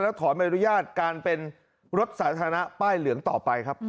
ถอนใบอนุญาตการเป็นรถสาธารณะป้ายเหลืองต่อไปครับ